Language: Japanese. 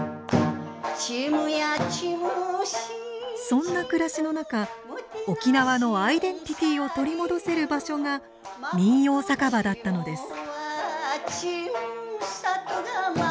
そんな暮らしの中沖縄のアイデンティティーを取り戻せる場所が民謡酒場だったのです。